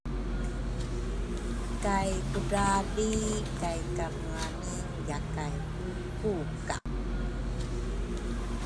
Kay kudrali kaykameane yakay ku kuka